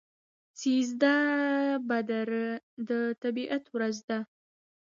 سیزده بدر د طبیعت ورځ ده.